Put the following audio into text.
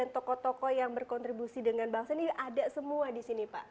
tokoh tokoh yang berkontribusi dengan bangsa ini ada semua di sini pak